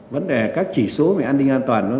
vấn đề các chỉ số về an ninh an toàn